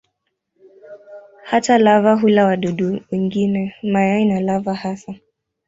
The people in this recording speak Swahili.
Hata lava hula wadudu wengine, mayai na lava hasa.